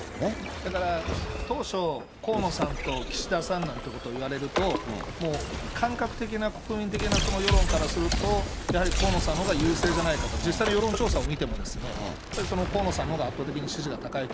だから、当初、河野さんと岸田さんなんてことをいわれると、もう感覚的な、国民的な世論からすると、やはり河野さんのほうが優勢じゃないかと、実際の世論調査を見てもですね、河野さんのほうが圧倒的に支持が高いと。